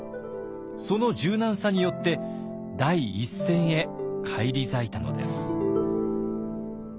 その柔軟さによって第一線へ返り咲いたのです。